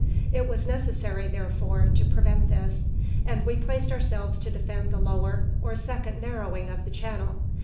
It was necessary, therefore, to prevent this; and we placed ourselves to defend the lower or second narrowing of the channel.